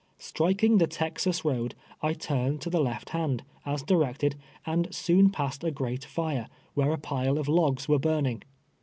Strikini; tlic Texas road, I turned to the left hand, as directed, and soon j)assed a great fire, where a i)ile of h)gs were hurning.